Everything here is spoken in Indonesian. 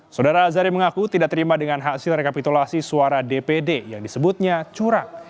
saudara azari mengaku tidak terima dengan hasil rekapitulasi suara dpd yang disebutnya curang